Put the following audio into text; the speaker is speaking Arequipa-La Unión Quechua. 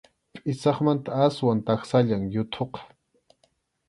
Pʼisaqmanta aswan taksallam yuthuqa.